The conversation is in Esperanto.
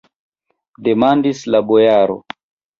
demandis la bojaro.